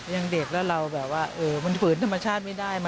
ยังเด็กแล้วเราแบบว่ามันฝืนธรรมชาติไม่ได้มั